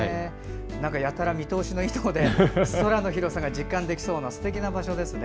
やたら見通しのいいところで空の広さが実感できそうなすてきな場所ですね。